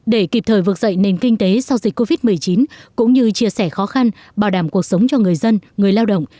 để kịp thời vực dậy nền kinh tế sau dịch covid một mươi chín cũng như chia sẻ khó khăn bảo đảm cuộc sống cho người dân người lao động